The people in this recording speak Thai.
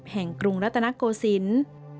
แห่งกรุงรัตนโกสินทร์